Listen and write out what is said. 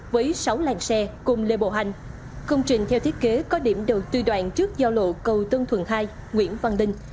với sáu làng xe cùng lê bộ hành công trình theo thiết kế có điểm đầu tư đoạn trước giao lộ cầu tân thuận hai nguyễn văn đinh